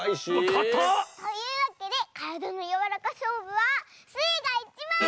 かたっ！というわけでからだのやわらかしょうぶはスイがいちばん！